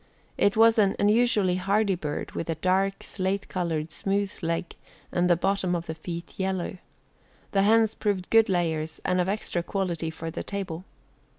It was an unusually hardy bird, with a dark, slate colored, smooth leg and the bottom of the feet yellow. The hens proved good layers and of extra quality for the table.